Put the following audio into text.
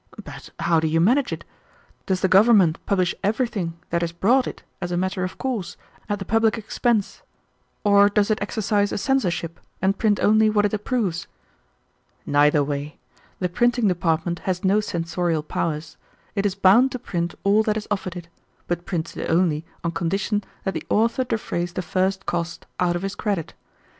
"But how do you manage it? Does the government publish everything that is brought it as a matter of course, at the public expense, or does it exercise a censorship and print only what it approves?" "Neither way. The printing department has no censorial powers. It is bound to print all that is offered it, but prints it only on condition that the author defray the first cost out of his credit.